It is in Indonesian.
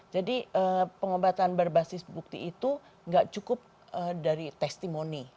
jadi pengobatan berbasis bukti itu ga cukup dari testimoni